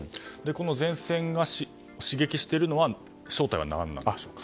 この前線が刺激しているのは正体は何なんでしょうか。